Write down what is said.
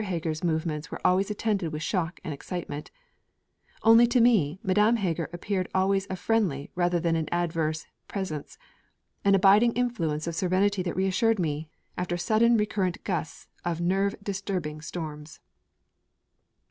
Heger's movements were always attended with shock and excitement; only to me, Madame Heger appeared always a friendly rather than an adverse presence an abiding influence of serenity that reassured one, after sudden recurrent gusts of nerve disturbing storms.